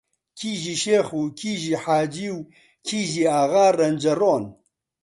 کیژی شێخ و کیژی حاجی و کیژی ئاغا ڕەنجەڕۆن